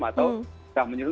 atau sudah menyusun